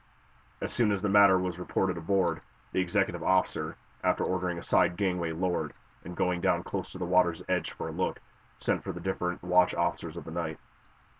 As soon as the matter was reported aboard, the executive officer, after ordering a side gangway lowered, and going down close to the water's edge for a look, sent for the different watch officers of the night.